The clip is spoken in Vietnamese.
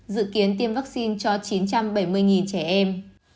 dự kiến tiêm vaccine cho chín trăm bảy mươi trẻ em